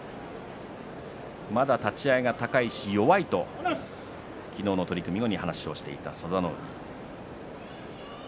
まだ立ち合いが高いし弱いと昨日の取組後に話をしていた佐田の海です。